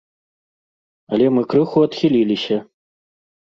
Але мы крыху адхіліліся.